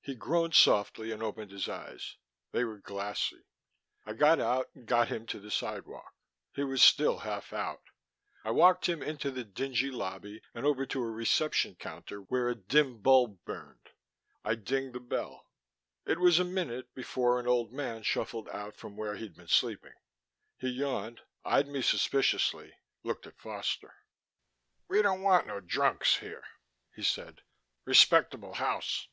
He groaned softly and opened his eyes. They were glassy. I got out and got him to the sidewalk. He was still half out. I walked him into the dingy lobby and over to a reception counter where a dim bulb burned. I dinged the bell. It was a minute before an old man shuffled out from where he'd been sleeping. He yawned, eyed me suspiciously, looked at Foster. "We don't want no drunks here," he said. "Respectable house."